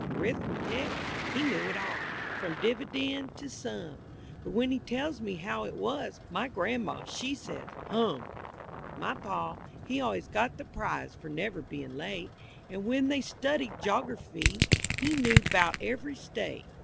Arithmetic? He knew it all From dividend to sum; But when he tells me how it was, My grandma, she says "Hum!" My pa he always got the prize For never bein' late; An' when they studied joggerfy He knew 'bout every state.